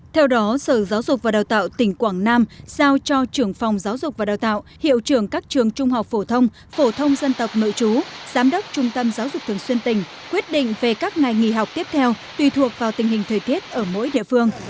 theo đó sở giáo dục và đào tạo tỉnh quảng nam giao cho trưởng phòng giáo dục và đào tạo hiệu trưởng các trường trung học phổ thông phổ thông dân tộc nội chú giám đốc trung tâm giáo dục thường xuyên tỉnh quyết định về các ngày nghỉ học tiếp theo tùy thuộc vào tình hình thời tiết ở mỗi địa phương